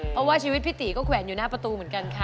เพราะว่าชีวิตพี่ตีก็แขวนอยู่หน้าประตูเหมือนกันค่ะ